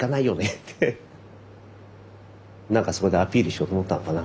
何かそこでアピールしようと思ったのかな